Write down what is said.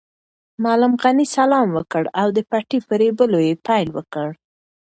معلم غني سلام وکړ او د پټي په رېبلو یې پیل وکړ.